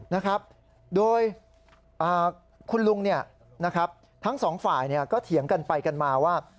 นะครับโดยคุณลุงทั้ง๒ฝ่ายก็เถียงกันไปกันมาว่า